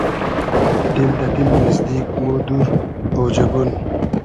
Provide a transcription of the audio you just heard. دیل دۂ دیل نیزدیگ و مۉ دور اۉجئگون